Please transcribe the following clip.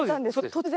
突然？